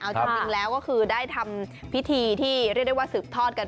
เอาจริงแล้วก็คือได้ทำพิธีที่เรียกได้ว่าสืบทอดกัน